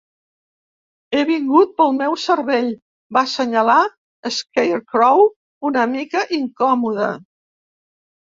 "He vingut pel meu cervell", va assenyalar Scarecrow, una mica incòmode..